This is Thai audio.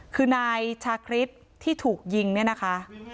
คือนายชาคริสที่ถูกยิงเนี่ยนะคะ